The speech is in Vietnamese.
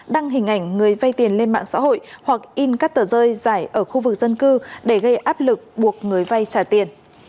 đăng hình ảnh người vay tiền lên mạng xã hội hoặc in các tờ rơi giải ở khu vực dân cư để gây áp lực buộc người vay trả tiền